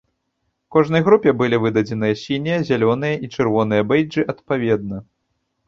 Кожнай групе былі выдадзеныя сінія, зялёныя і чырвоныя бэйджы адпаведна.